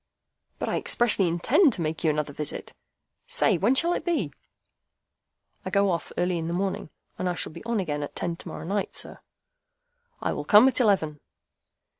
"But I expressly intend to make you another visit. Say, when shall it be?" "I go off early in the morning, and I shall be on again at ten to morrow night, sir." "I will come at eleven."